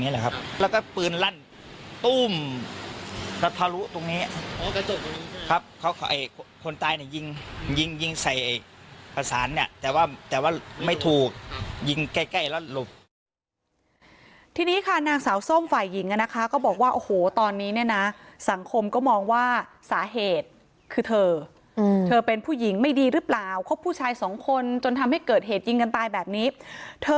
แหละครับแล้วก็ปืนลั่นตุ้มแล้วทะลุตรงนี้ครับเขากับไอ้คนตายเนี่ยยิงยิงยิงใส่ไอ้ประสานเนี่ยแต่ว่าแต่ว่าไม่ถูกยิงใกล้ใกล้แล้วหลบทีนี้ค่ะนางสาวส้มฝ่ายหญิงอ่ะนะคะก็บอกว่าโอ้โหตอนนี้เนี่ยนะสังคมก็มองว่าสาเหตุคือเธอเธอเป็นผู้หญิงไม่ดีหรือเปล่าคบผู้ชายสองคนจนทำให้เกิดเหตุยิงกันตายแบบนี้เธอ